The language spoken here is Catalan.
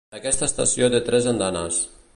Aquesta estació té tres andanes.